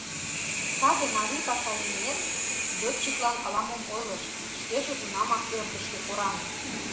Саде марий пашаеҥет лётчиклан ала-мом ойлыш, шкеже тунамак ӧрдыжкӧ кораҥе.